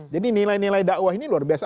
jadi nilai nilai dakwah ini luar biasa